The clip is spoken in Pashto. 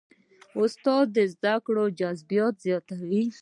استاد د زده کړو جذابیت زیاتوي.